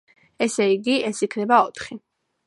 ესე იგი, ეს იქნება ოთხი.